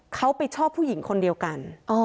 เขาไปชอบผู้หญิงคนเดียวกัน